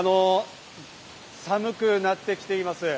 寒くなってきています。